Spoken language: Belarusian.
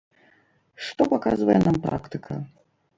Што паказвае нам практыка?